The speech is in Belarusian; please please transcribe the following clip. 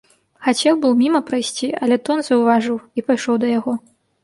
Хацеў быў міма прайсці, але тон заўважыў і пайшоў да яго.